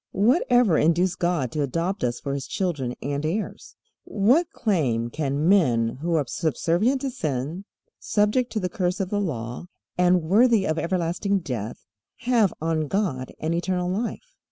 What ever induced God to adopt us for His children and heirs? What claim can men who are subservient to sin, subject to the curse of the Law, and worthy of everlasting death, have on God and eternal life?